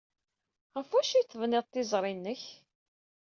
Ɣef wacu ay tebniḍ tiẓri-nnek?